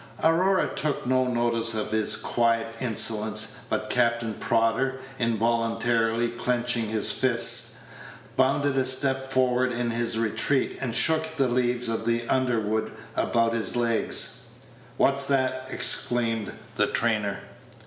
Aurora took no notice of his quiet insolence; but Captain Prodder, involuntarily clenching his fist, bounded a step forward in his retreat, and shook the leaves of the underwood about his legs. "What's that?" exclaimed the trainer.